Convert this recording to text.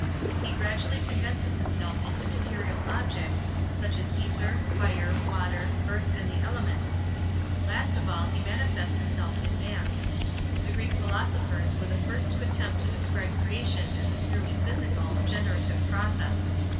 He gradually condenses himself into material objects, such as ether, fire, water, earth and the elements. Last of all he manifests himself in man. The Greek philosophers were the first to attempt to describe creation as a purely physical, generative process.